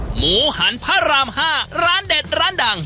หมูหันพระราม๕ร้านเด็ดร้านดัง